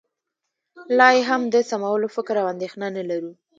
لا یې هم د سمولو فکر او اندېښنه نه لرو